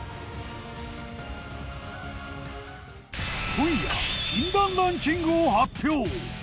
今夜禁断ランキングを発表。